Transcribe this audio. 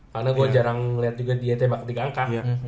karena gua jarang liat juga dia tebak tiga angka